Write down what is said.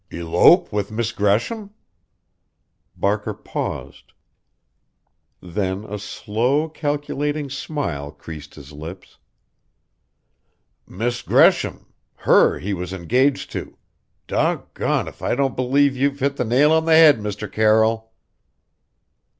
"Elope with Miss Gresham?" Barker paused; then a slow, calculating smile creased his lips. "Miss Gresham her he was engaged to! Dog gone if I don't believe you've hit the nail on the head, Mr. Carroll!"